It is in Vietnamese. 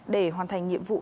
để hoàn thành nhiệm vụ